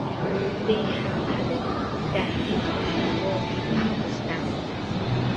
They have added that 'this ensemble is outstanding.